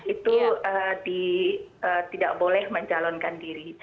itu tidak boleh mencalonkan diri